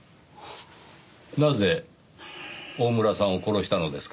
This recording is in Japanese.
なぜ大村さんを殺したのですか？